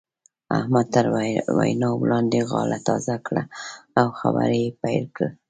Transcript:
احمد تر وينا وړاندې غاړه تازه کړه او خبرې يې پيل کړې.